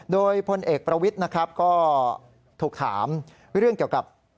โดยพลเอกประวิทย์นะครับก็ถูกถามเรื่องเกี่ยวกับ